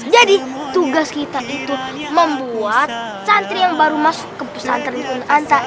jadi tugas kita itu membuat santri yang baru masuk ke pesantren kunanta